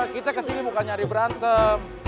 kita kesini bukan nyari berantem